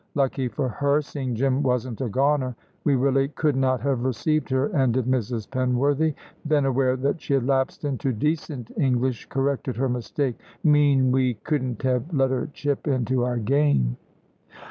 Lucky for her, seeing Jim wasn't a goner. We really could not have received her," ended Mrs. Penworthy; then, aware that she had lapsed into decent English, corrected her mistake: "Mean we couldn't have let her chip into our game."